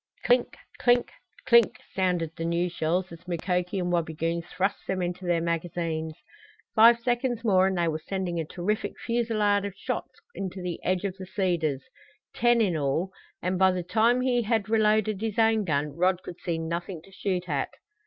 Clink clink clink sounded the new shells as Mukoki and Wabigoon thrust them into their magazines. Five seconds more and they were sending a terrific fusillade of shots into the edge of the cedars ten in all and by the time he had reloaded his own gun Rod could see nothing to shoot at.